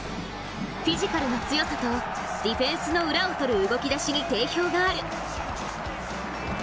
フィジカルの強さとディフェンスの裏をとる動きだしに定評がある。